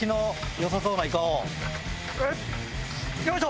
よいしょ！